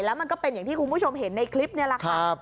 แล้วมันก็เป็นอย่างที่คุณผู้ชมเห็นในคลิปนี่แหละค่ะ